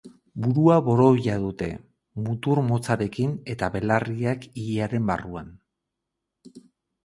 Burua borobila dute, mutur motzarekin eta belarriak ilearen barruan.